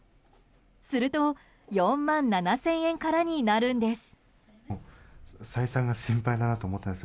すると４万７０００円からになるんです。